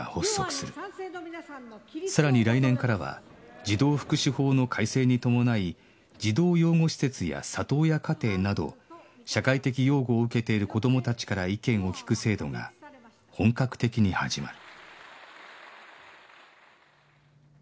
さらに来年からは児童福祉法の改正に伴い児童養護施設や里親家庭など社会的養護を受けている子どもたちから意見を聴く制度が本格的に始まる